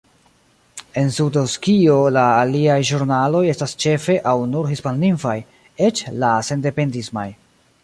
En Sud-Eŭskio, la aliaj ĵurnaloj estas ĉefe aŭ nur hispanlingvaj, eĉ la sendependisma.